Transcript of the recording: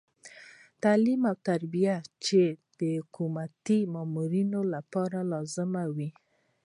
تعلیم او تربیه چې د حکومتي مامورینو لپاره لازمه وه.